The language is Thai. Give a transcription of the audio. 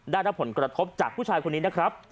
ได้รับผลกระทบจากผู้ชายคนนี้นะครับ